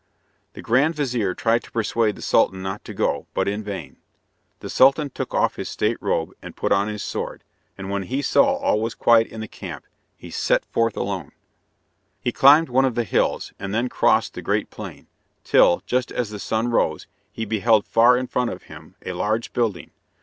The grand vizir tried to persuade the Sultan not to go, but in vain. The Sultan took off his state robe and put on his sword, and when he saw all was quiet in the camp he set forth alone. He climbed one of the hills, and then crossed the great plain, till, just as the sun rose, he beheld far in front of him a large building.